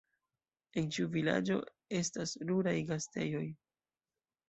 En ĉiu vilaĝo estas ruraj gastejoj.